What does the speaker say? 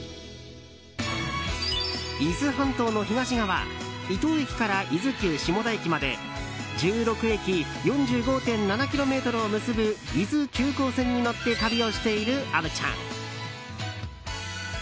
伊豆半島の東側伊東駅から伊豆急下田駅まで１６駅、４５．７ｋｍを結ぶ伊豆急行線に乗って旅をしている虻ちゃん。